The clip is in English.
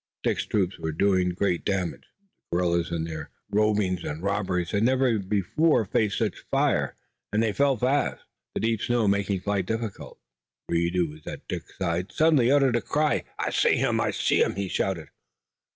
Dick's troop was doing great damage. The guerrillas in their rovings and robberies had never before faced such a fire and they fell fast, the deep snow making flight difficult. Reed, who was at Dick's side, suddenly uttered a cry. "I see him! I see him!" he shouted.